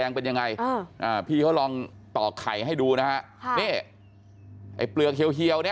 เนี่ยไอ้เปลือกเฮียวนี่